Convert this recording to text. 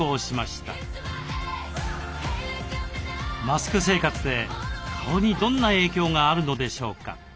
マスク生活で顔にどんな影響があるのでしょうか？